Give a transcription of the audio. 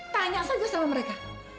tanya saja sama mereka